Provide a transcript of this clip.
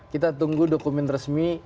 kita tunggu dokumen resmi